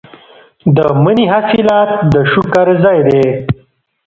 د مني حاصلات د شکر ځای دی.